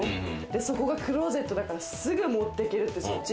そこがクローゼットだから、すぐ持っていける。